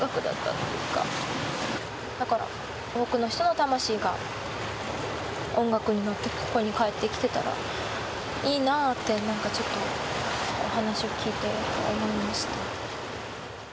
だから多くの人の魂が音楽に乗ってここに帰ってきてたらいいなって何かちょっとお話を聞いて思いました。